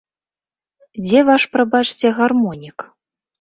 Дзе ваш, прабачце, гармонік?